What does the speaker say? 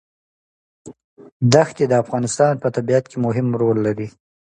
ښتې د افغانستان په طبیعت کې مهم رول لري.